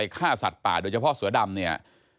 ฆ่าสัตว์ป่าโดยเฉพาะเสือดำเนี่ย